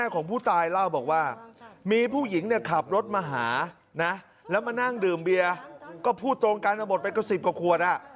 ก็พูดตรงการทะบดไปกว่าสิบกว่าครวด